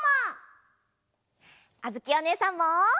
あづきおねえさんも！